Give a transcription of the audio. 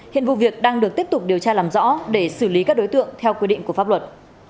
hiện vụ việc đang được tiếp tục điều tra làm rõ để xử lý các đối tượng theo quy định của pháp luật